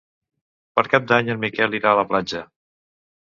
Per Cap d'Any en Miquel irà a la platja.